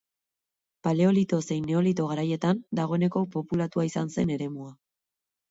Paleolito zein Neolito garaietan dagoeneko populatua izan zen eremua.